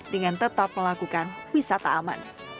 dengan tetap melakukan wisata aman